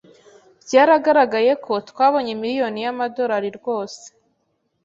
Byaragaragaye ko twabonye miliyoni y'amadolari rwose